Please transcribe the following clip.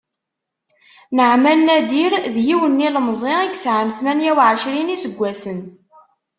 Naɛman Nadir, d yiwen n yilemẓi i yesεan tmanya uɛecrin n yiseggasen.